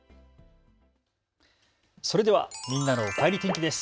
それではみんなのおかえり天気です。